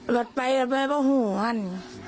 หลัดไปหลัดไปเพราะห่วง